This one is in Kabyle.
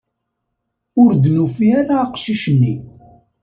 Ur d-nufi ara aqcic-nni.